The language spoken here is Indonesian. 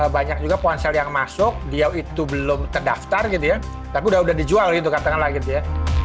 banyak juga ponsel yang masuk dia itu belum terdaftar gitu ya tapi udah udah dijual gitu katakanlah gitu ya